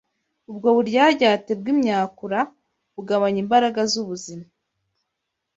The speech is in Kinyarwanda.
Ubwo buryaryate bw’imyakura bugabanya imbaraga z’ubuzima,